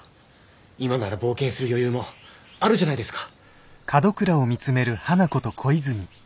今なら冒険する余裕もあるじゃないですか。